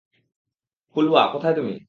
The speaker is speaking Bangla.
ফুলওয়া, কোথায় তুমি?